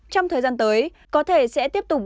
trong thời gian tới có thể sẽ tiếp tục